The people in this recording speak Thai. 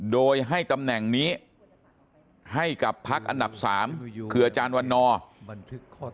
โดยให้ตำแหน่งนี้ให้กับพักอันดับ๓คืออาจารย์วันนอร์ด